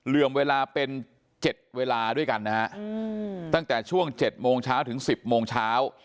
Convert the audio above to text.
เหลื่อมเวลาเป็นเจ็ดเวลาด้วยกันนะฮะอืมตั้งแต่ช่วงเจ็ดโมงเช้าถึงสิบโมงเช้า